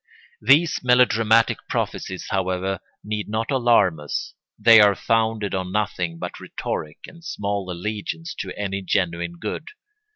These melodramatic prophecies, however, need not alarm us. They are founded on nothing but rhetoric and small allegiance to any genuine good.